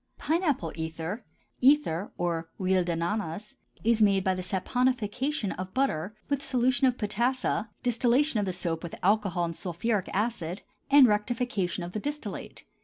PINE APPLE ETHER (ether or huile d'ananas) is made by the saponification of butter with solution of potassa, distillation of the soap with alcohol and sulphuric acid, and rectification of the distillate.